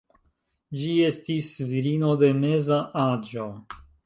Ĝi estis virino de meza aĝo.